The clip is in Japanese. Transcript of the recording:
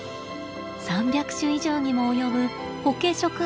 ３００種以上にも及ぶコケ植物。